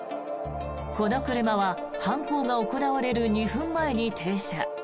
この車は犯行が行われる２分前に停車。